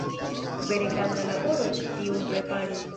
Vere granda laboro tiun prepari.